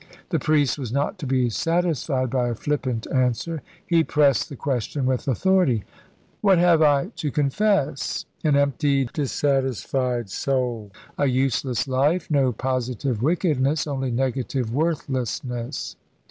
The priest was not to be satisfied by a flippant answer. He pressed the question with authority. "What have I to confess? An empty, dissatisfied soul, a useless life; no positive wickedness, only negative worthlessness.